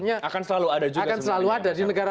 akan selalu ada juga di negara